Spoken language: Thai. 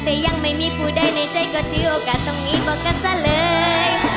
แต่ยังไม่มีผู้ใดในใจก็ถือโอกาสตรงนี้บอกกันซะเลย